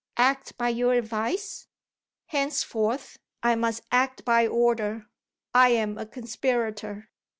Act by your advice? Henceforth, I must act by order. I am a conspirator."